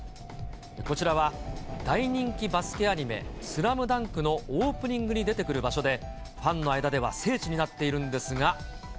こちらは大人気バスケアニメ、スラムダンクのオープニングに出てくる場所で、ファンの間では聖地になっているんですが。